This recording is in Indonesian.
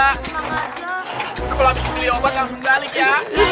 kalau abis beli obat langsung balik lagi